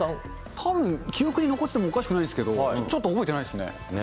たぶん、記憶に残っててもおかしくないですけど、ちょっと覚えてないですね。